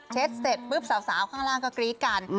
เช็ดเสร็จบึ๊บสาวข้างล่างก็กรี๊กกัน